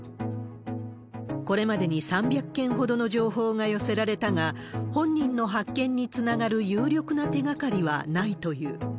これまでに３００件ほどの情報が寄せられたが、本人の発見につながる有力な手がかりはないという。